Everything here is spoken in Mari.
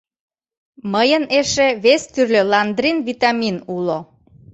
Мыйын эше вес тӱрлӧ ландрин-витамин уло.